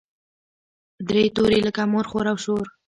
درې توري لکه مور، خور او شور.